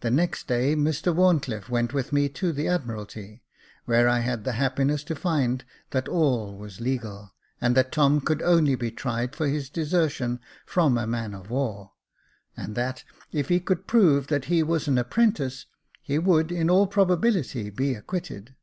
The next day Mr Wharncliffe went with me to the Admiralty, where I had the happiness to find that all was legal, and that Tom could only be tried for his desertion from a man of war ; and that, if he could prove that he was an apprentice, he would, in all probability, be acquitted.